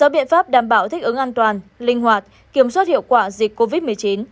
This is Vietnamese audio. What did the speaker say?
biện pháp đảm bảo thích ứng an toàn linh hoạt kiểm soát hiệu quả dịch covid một mươi chín